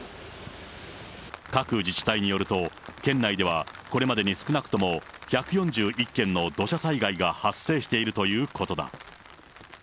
各自治体によると、県内ではこれまでに少なくとも１４１件の土砂災害が発生しているということだ。